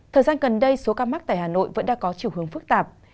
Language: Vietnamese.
thời gian gần đây số ca mắc tại hà nội vẫn đang có chiều hướng phức tạp